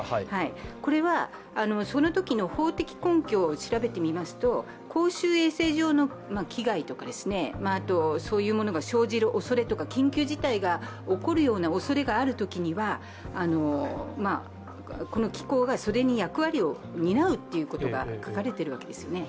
これはそのときの法的根拠を調べてみますと公衆衛生上の危害とか、そういうものが生じるおそれとか緊急事態が起こるようなおそれがあるときにはこの機構がその役割を担うということが書かれているわけです。